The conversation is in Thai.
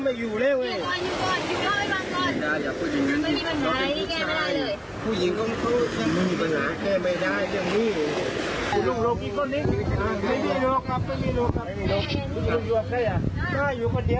ไม่อยากอยู่เลย